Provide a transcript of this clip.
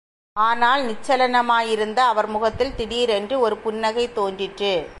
ஆனால், நிச்சலனமாயிருந்த அவர் முகத்தில் திடீரென்று ஒரு புன்னகை தோன்றிற்று.